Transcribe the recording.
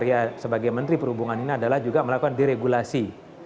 saya sebagai menteri perhubungan ini adalah juga melakukan diregulasi